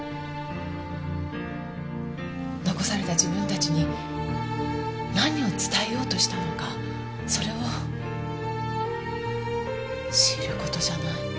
残された自分たちに何を伝えようとしたのかそれを知る事じゃない？